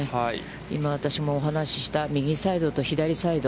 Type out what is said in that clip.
今、私もお話しした、右サイドと左サイド。